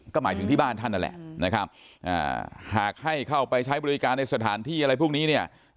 ก็หมายถึงที่บ้านท่านนั่นแหละนะครับหากให้เข้าไปใช้บริการในสถานที่อะไรพวกนี้เนี่ย